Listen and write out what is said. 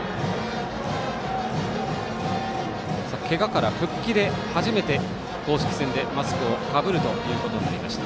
けがから復帰で初めて公式戦でマスクをかぶるということになりました。